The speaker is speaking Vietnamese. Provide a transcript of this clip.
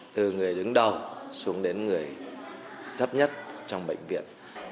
từ người đứng đầu xuống đến người thấp nhất trong bệnh viện